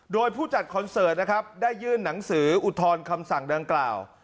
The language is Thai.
โดยผู้จัดคอนเสิร์ตได้ยื่นหนังสืออุทรคำสั่งด่างกล่าว